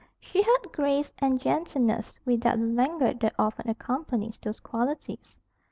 She had grace and gentleness without the languor that often accompanies those qualities.